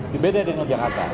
dibeda dengan jakarta